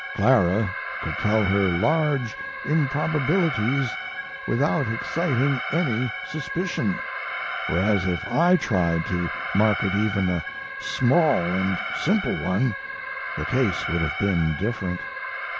Clara could tell her large improbabilities without exciting any suspicion, whereas if I tried to market even a small and simple one the case would have been different.